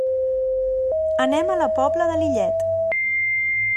Anem a la Pobla de Lillet.